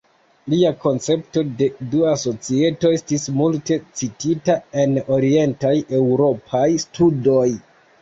Lia koncepto de dua societo estis multe citita en Orientaj Eŭropaj Studoj.